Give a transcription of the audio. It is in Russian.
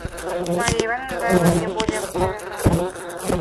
Марья Ивановна нравилась мне более обыкновенного.